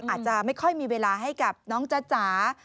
อาจจะไม่ค่อยมีเวลาให้กับน้องจ๊ะจ๋า